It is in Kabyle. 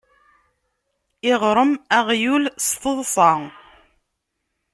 Iɣṛem aɣyul, s teḍṣa.